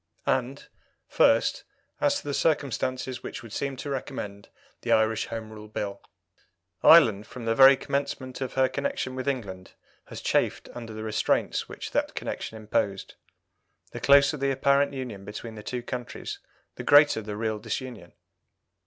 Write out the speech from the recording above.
And, first, as to the circumstances which would seem to recommend the Irish Home Rule Bill. Ireland, from the very commencement of her connection with England, has chafed under the restraints which that connection imposed. The closer the apparent union between the two countries the greater the real disunion.